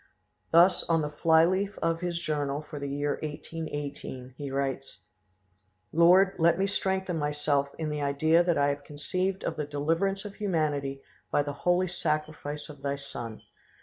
Thus, on the flyleaf of his journal for the year 1818, he writes: "Lord, let me strengthen myself in the idea that I have conceived of the deliverance of humanity by the holy sacrifice of Thy Son.